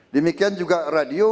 demikian juga radio